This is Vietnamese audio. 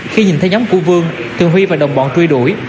khi nhìn thấy nhóm của vương tường huy và đồng bọn truy đuổi